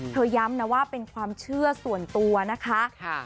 ย้ำนะว่าเป็นความเชื่อส่วนตัวนะคะ